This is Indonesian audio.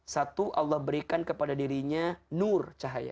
satu allah berikan kepada dirinya nur cahaya